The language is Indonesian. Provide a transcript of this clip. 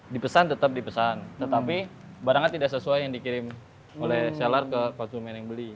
dipesan tetap dipesan tetapi barangnya tidak sesuai yang dikirim oleh seller ke konsumen yang beli